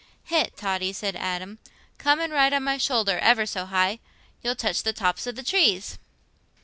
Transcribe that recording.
"Hegh, Totty," said Adam, "come and ride on my shoulder—ever so high—you'll touch the tops o' the trees."